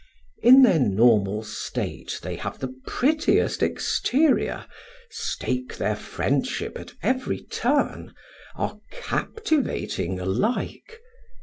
In their normal state they have the prettiest exterior, stake their friendship at every turn, are captivating alike.